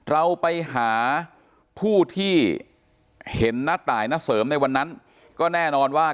เราไปหาผู้ที่เห็นณตายณเสริมในวันนั้นก็แน่นอนว่า